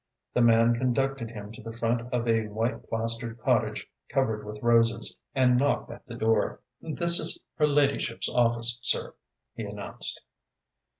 The man conducted him to the front of a white plastered cottage covered with roses, and knocked at the door. "This is her ladyship's office, sir," he announced.